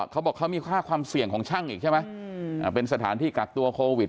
เขาบอกเขามีค่าความเสี่ยงของช่างอีกใช่ไหมเป็นสถานที่กักตัวโควิด